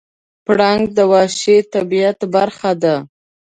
پړانګ د وحشي طبیعت برخه ده.